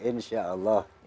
insya allah bisa kita capai